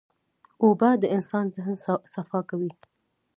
اوبه د انسان ذهن صفا کوي.